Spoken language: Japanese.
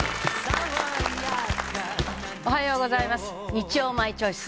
『日曜マイチョイス』